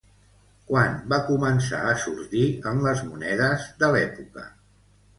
Quan va començar a sortir en les monedes de l'època?